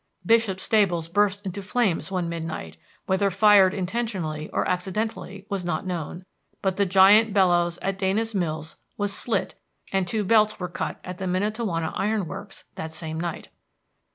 Bishop's stables burst into flames one midnight, whether fired intentionally or accidentally was not known; but the giant bellows at Dana's Mills was slit and two belts were cut at the Miantowona Iron Works that same night.